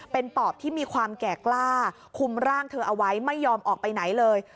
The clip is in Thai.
เป็นปอบที่มีความแก่กล้าคุมร่างเธอเอาไว้ไม่ยอมออกไปไหนเลย